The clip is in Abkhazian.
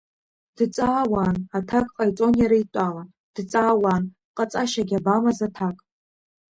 Дҵаауан, аҭак ҟаиҵон иара итәала, дҵаауан, ҟаҵашьагь абамаз аҭак.